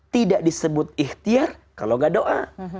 tidak disebut ikhtiar kalau gak doa